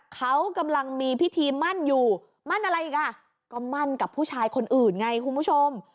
เขากำลังมีพิธีมั่นอยู่มั่นอะไรอีกอ่ะก็มั่นกับผู้ชายคนอื่นไงคุณผู้ชม